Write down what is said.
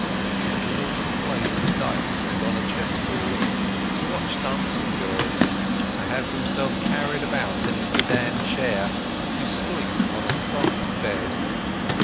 He had learned to play with dice and on a chess board, to watch dancing girls, to have himself carried about in a sedan chair, to sleep on a soft bed.